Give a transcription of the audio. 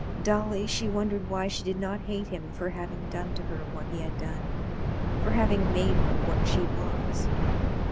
Dully she wondered why she did not hate him for having done to her what he had done, for having made her what she was.